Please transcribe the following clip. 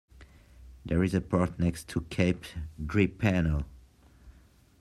There is a port next to Cape Drepano.